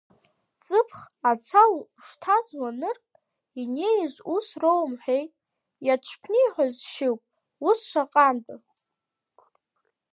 Ҵыԥх, аца ушҭаз уанырк, инеиз ус роумҳәеи, иаҽԥниҳәон Шьыгә, ус шаҟантәы?